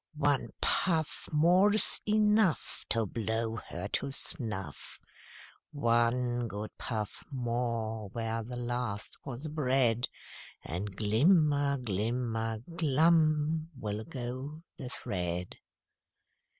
"One puff More's enough To blow her to snuff! One good puff more where the last was bred, And glimmer, glimmer, glum will go the thread!"